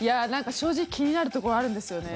正直気になるところあるんですよね。